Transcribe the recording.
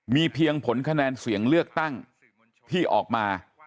มีเพียงผลคะแนนเสียงเลือกตั้งที่ออกมา